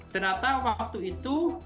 ternyata waktu itu